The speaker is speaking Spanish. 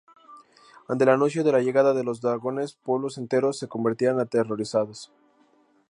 Ante el anuncio de la llegada de los dragones, pueblos enteros se convertían, aterrorizados.